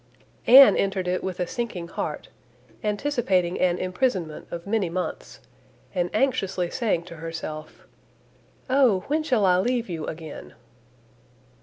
Anne entered it with a sinking heart, anticipating an imprisonment of many months, and anxiously saying to herself, "Oh! when shall I leave you again?"